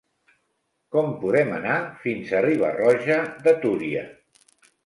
Com podem anar fins a Riba-roja de Túria?